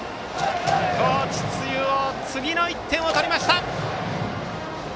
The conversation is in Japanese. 高知中央、次の１点を取りました。